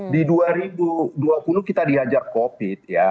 di dua ribu dua puluh kita dihajar covid ya